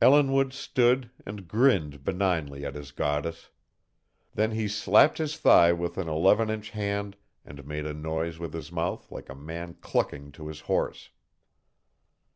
Ellinwood stood and grinned benignly at his goddess. Then he slapped his thigh with an eleven inch hand and made a noise with his mouth like a man clucking to his horse.